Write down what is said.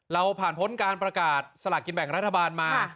เราผ่านพ้นการประกาศสลากกินแบ่งรัฐบาลมา